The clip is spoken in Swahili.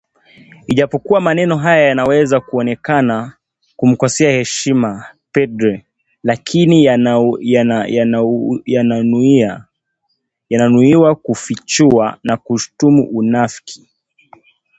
Ijapokuwa maneno haya yanaweza kuonekana kumkosea heshima Padre lakini yananuiwa kufichua na kushutumu unafiki